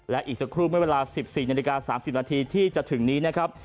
และอีกสักครู่เมื่อเวลา๑๔นาฬิกา๓๐นาทีที่จะถึงนี้นะครับ